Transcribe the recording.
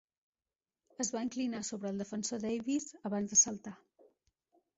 Es va inclinar sobre el defensor Davis abans de saltar.